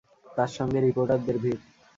তার সঙ্গে রিপোর্টারদের ভিড়।